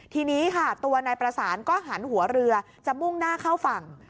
ทีนี้ค่ะตัวนายประสานก็หันหัวเรือจะมุ่งหน้าเข้าฝั่ง